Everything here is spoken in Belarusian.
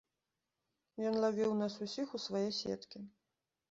Ён лавіў нас усіх у свае сеткі.